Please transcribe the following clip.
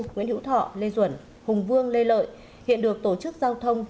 nguyễn hữu thọ lê duẩn hùng vương lê lợi hiện được tổ chức giao thông